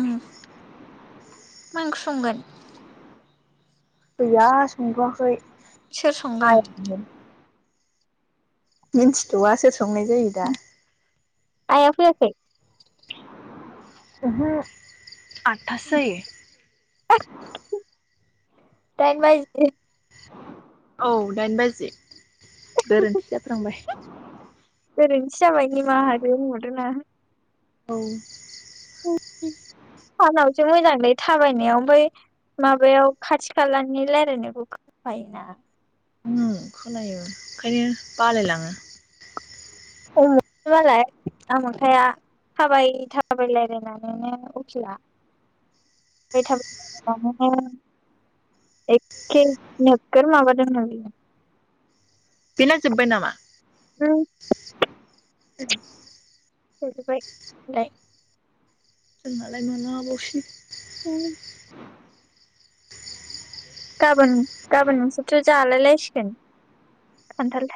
उम मा ओंख्रि संगोन? गैया संथवाखै सोर संगोन? [unintelligible] मिन्थिथआ सोर संनाय जायो दा आइया फैयाखै? ओहो आदथासो जायो दाइन बाजि औ दाइन बाजि गोरोन्थि जाफ्लांबाय। गोरोन्थि जाबाय निमाहा होदो होनहरदो ना औ सानावसो मोजांलै थाबायनायाव ओमफाय माबायाव खाथि खालानि रायलायनायखौ खोनाफायो ना उम खोनायो ओंखायनो बालायलाङो [unintelligible] मालाय आमोखाया थाबाय थाबाय रायलायनानैनो उखिला थाबाय थाबायनानैनो एखे नोगोर माबादों नो बियो बेना जोब्बाय नामा? उम [unintelligible] जोबजोबबाय मालाय जोंनालाय माला हाबावसि उम गाबोन गाबोन नोंसोरथ जालायलायसिगोन?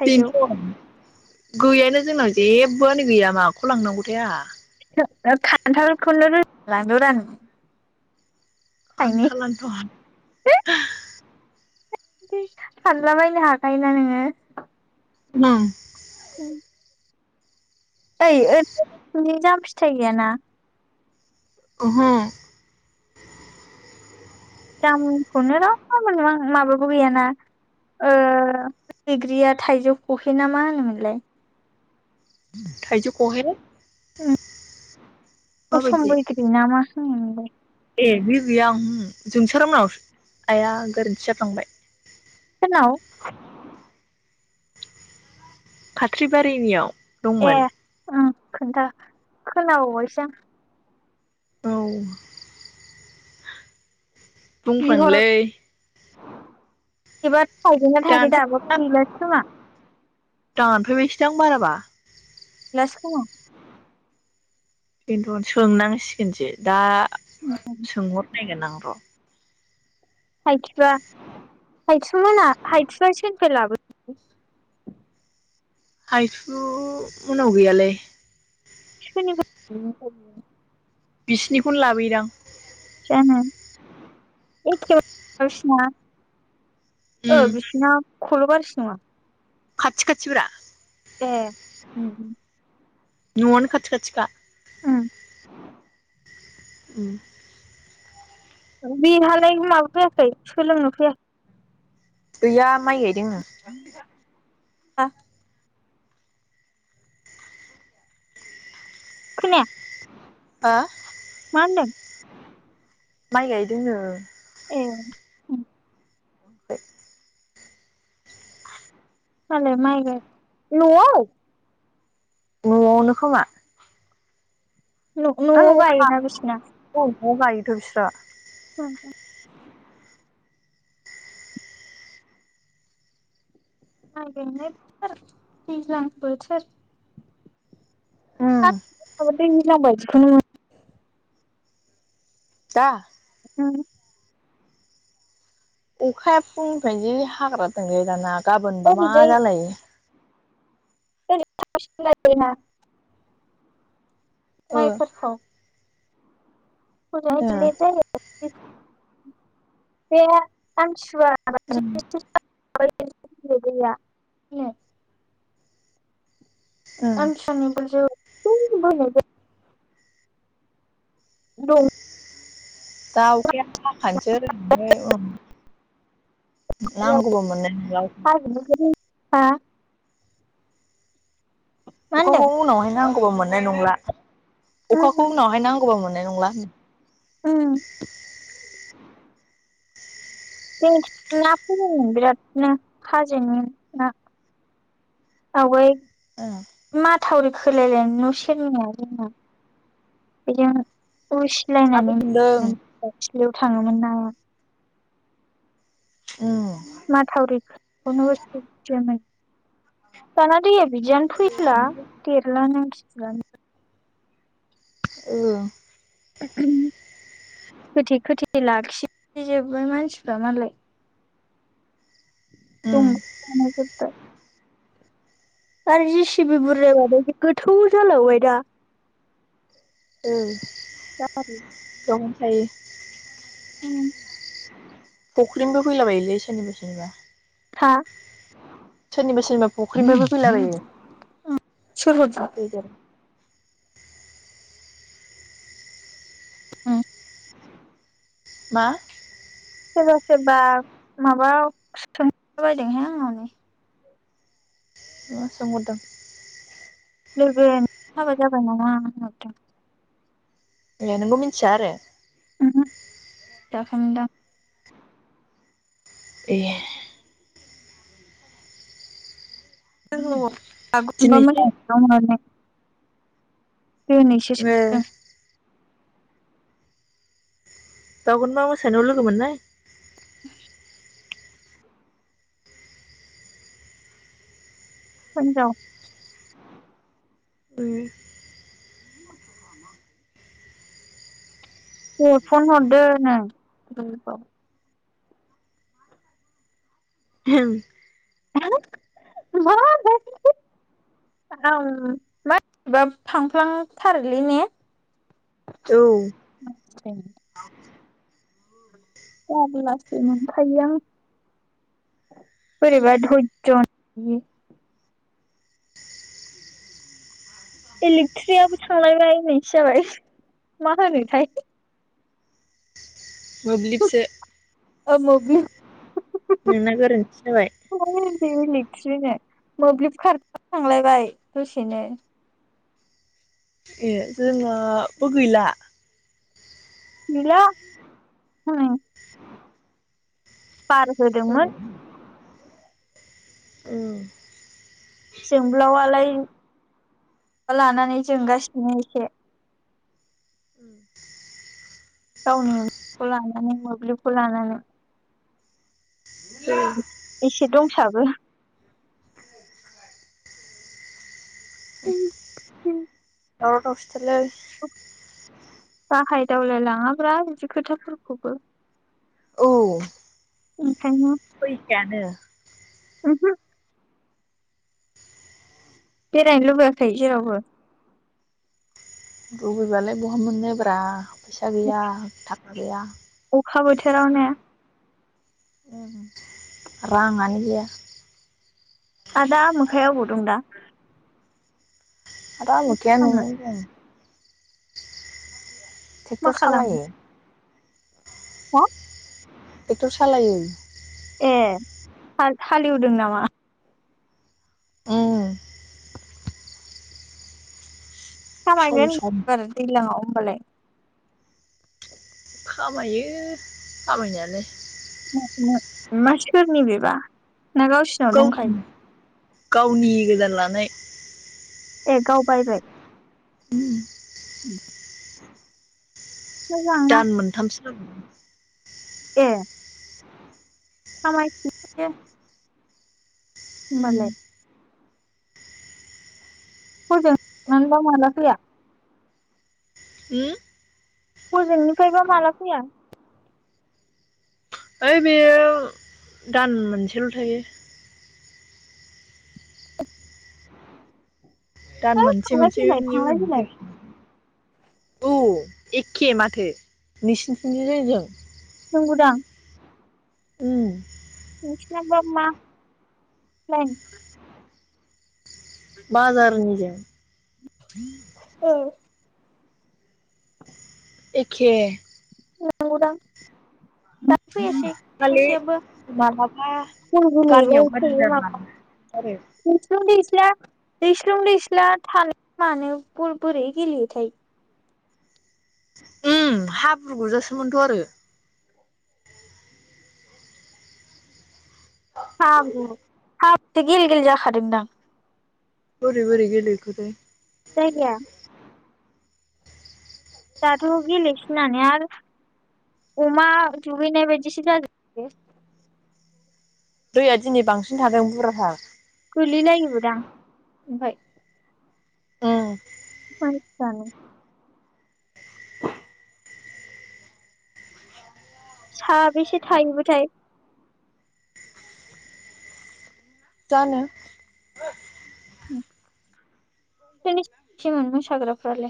[unintelligible] गैयानो जोंनाव जेबोआनो गैया माखौ लांनांगौ आहा खान्थालखौनो [unintelligible] थाइनै आनथ लानथ [unintelligible] [unintelligible] फानलाबायनो हाखायोना नोङो मा ओं ओइ ओरैनि जाम फिथाइ गैया ना ओहो जामुनखौनो रावनावबो मोनलाआं माबाबो गैयाना ओ बैग्रिया थाइजौ खहे ना मा होनोमोनलाय थाइजौ खहे अ सम माबायदि बैग्रि नामा उम नंगौ बि गैया आं जोंसारमोनावसो आइया गोरोन्थि जा फ्लांबाय हेल फाख्रिबारिनियाव ए दंमोन ओं खोन्था खोनाबावबायसो आं औ बुंं फ्लाङोलै [unintelligible] [unintelligible] थाइदों ना थाइयाखौ दाबा गौलासो खोमा दानफैबायसोदां बाराबा लासखौ खिन्थु सोंनांसिगोनसो दा सोंहरनायगोन आं र' हाइथया हाइथुमोनहा हाइथुया सोरनोफ्राय लाबो [unintelligible] हायथु मोननाव गैयालै सोरनिफाय बिनिफाय बिदों बिसिनिखौनो लाबोदां जनो [unintelligible] उम ओ बिसिना खर गारजिसो नङा खाथि खाथिब्रा ए न'आनो खाथि खाथिखा उम बि हालाय [unintelligible] सोलोंनो फैया [unintelligible] गैया माइ गायदोंनो [unintelligible] खोनाया हो मा होनदों। माइ गायदों नो ए उम [inaudible] [unintelligible] माइ गाय न'आव न'आवनो खोमा न न'आव गायो ना बिसिना‌ औ न'आव गायोथ बिस्रा [inaudible] [unintelligible] बोथोर उम दैज्लां बायदिखौनो दा उम अखाया फुंनिफ्राय जि हाग्रा दंलै दाना गाबोनबा मा ओरैजाय जालायो [inaudible] [unintelligible] ओ माइफोरखौ ओ [unintelligible] बे आमथिसुवा ओम [unintelligible] [unintelligible] दा आमथिसुवा नि [unintelligible] दं दा अखाया हाखानोसै उम नांगौबो मोन्नाय नंला अखा हाजोनिफ्राय हा मा होनदों? अखाखौ उनावहाय नां गोवाव मोननाय नंला उम अखाखौ उनावहाय नां हौवा मोननाय नंला उम [inaudible] जोंथिं ना फौदोंमोन बिरादनो हाजोनि ना आवगाय एह थावरि खोलायलायनाय न' सेरनिया जोंना बेजों साबो उसिलायनानै मोनदों मो [unintelligible] बियाव थाङोमोन नाया उम माथावरि [unintelligible] जाना दैया बिदियानो फैला देरलानो [unintelligible] ओ खोथे खोथे थे लाखि जोब्बाय मानसिफ्रा मालाय उम दं [unintelligible] आरोजिसि सिबि बुरजा जानायनि गोथौ जालांबायदा औ ओम हायो औ फुख्रिनिबो फैलाबायोलै सोरनिबा सोरनिबा हा? सोनिबा सो सोरनिबा फुख्रिनिफ्रायबो फैलाबायो सोर हरदों? दैजा [inaudible] उम मा? सोरबा सोरबा माबा सोंखला बायदोंहाय आंनाव नै मा सोंहरदों? लोगो नों हाबा जाबाय नामा होनहरदों? ए नोंबो मिथिया आरो जाखोन दां एह [unintelligible] दिनैसो [unintelligible] दिनैसो ओ सोंदों बागुरुमबा मोसानायाव लोगो मोननाय। होननाव उम फुंआव फन हरदोनो। ओहोम। मा आं मानिबा थांफ्लांथारोलै ने औ ओम जारलासो मोनखायो आं बोरैबा धज्य इलेक्ट्रिक आबो थांलायबाल होननायसो जाबाय मा होनोथाय मोब्लिब सो औ मोब्लिब गोरोन्थि जाबाय इलेक्ट्रिक होनो मोब्लिब खार थांलायबाय दसेनो ए जोंनाबो गैला गैला हनै बार होदोंमोन औ जोंब्लावआलाय लानानै जोंगासिनो एसे उम गावनि गलाम मोब्लिबखौ लानानै जै एसे दंसाबो [inaudible] औ र' सोलै दावलाय लाङाब्रा बिदि खोथाफोरखौबो औ ओंखायनो फैखायानो ओमहो बेरायनो लुबैयाखै जेरावबो लुबैबालाय बहा मोननो ब्रा फैसा गैया गैया अखा बोथोरावनो ओं रांआनो गैया। आदा आमोखाया अबाव दं दा? आदा आमोखाया खालामनो न'आवनो दं। थेक्टर सालायो। हो? टेक्टर सालायो। ए हाल हालेवदों नामा? उम सम खामायगोन सम आरो दैज्लांआव। मालाय। खामायो खामायनायालाय। [unintelligible] मा सोरनि बिबा? गावनि गावनि गोदान लानाय। ए गाव बायबाय? मोजांना दान मोन्थामसो औ ए खामाय [unintelligible] उम होनबालाय। हजों [unintelligible] माला फैया? होम? हजोंनिफ्रायबा माला फैया? ओइ बेयो दान मोनसेल' थायो। दान है मोनसे थांलाय मोनसे फैलाय उननि थांलाय उनाव फैलाय फै औ एखे माथो नोंसिनिथिंनिजों जोंनि जों। नोंगौ दां? उम [unintelligible] बा मा लायेन? बाजारनिजो औ एखे नंगौ दां। दा फैयासै खालि सासेयाबो मालाबा जों [unintelligible] गामियाव गाज्रि थायो जानो माबा नागिरो आरो [unintelligible] [unintelligible] दैस्लुं दैस्ला थानो मानो बल बोरै गेलेयोथाय? उम हाब्रु गुरजासोमोनथ' आरो। हाब्रु हाब्रु गेले गेले जाखादोंदां? बोरै बोरै गेलेखोथाय? जायगाया दाथ' गेले सिनानानै आरो अमा दुगैनाय बायदिसो जाजोब बियो। दैया दिनै बांसिन थागोन बुरजाथार। गोलैलायोबोदां ओमफाय औ मानसिफ्रानो साबेसे थायोबोथाय? जानो [inaudible] [unintelligible] सेमोन मोसाग्रा फालाय